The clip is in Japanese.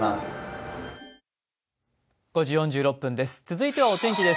続いてはお天気です。